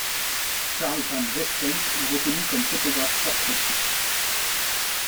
Carl Van Vechten est reconnu comme photographe portraitiste.